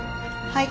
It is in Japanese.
はい。